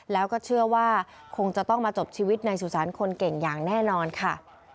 แล้วก็เชื่อว่าคงจะต้องมาจบชีวิตในสุสานคนเก่งอย่างแน่นอนค่ะ